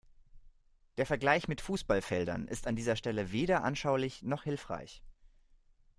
Der Vergleich mit Fußballfeldern ist an dieser Stelle weder anschaulich noch hilfreich.